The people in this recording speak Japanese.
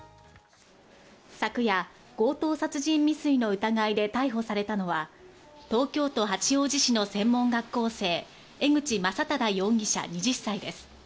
昨夜、強盗殺人未遂の疑いで逮捕されたのは、東京都八王子市の専門学校生・江口将匡容疑者、２０歳です。